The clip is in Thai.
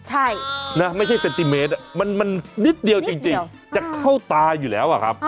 ใช่นะไม่ใช่เซนติเมตรมันนิดเดียวจริงจะเข้าตาอยู่แล้วอะครับ